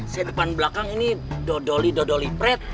saya depan belakang ini dodoli dodoli pret